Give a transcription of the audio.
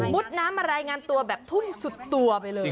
น้ำมารายงานตัวแบบทุ่มสุดตัวไปเลย